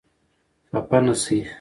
خفه نه شئ !